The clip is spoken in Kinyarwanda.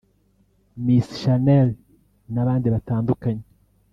Miss Shanel n’abandi batandukanye